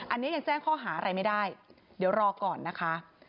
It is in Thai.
อันนี้ยังแจ้งข้อหาอะไรไม่ได้เดี๋ยวรอก่อนนะคะ